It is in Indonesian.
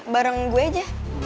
bareng gue aja